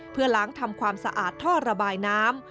เพื่อล้างทำความสะอาดท่อระบายน้ำ